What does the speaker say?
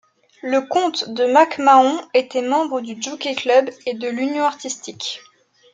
Le comte de Mac Mahon était membre du Jockey Club et de l'Union artistique.